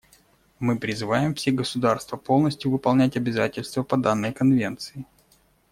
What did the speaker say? Мы призываем все государства полностью выполнять обязательства по данной Конвенции.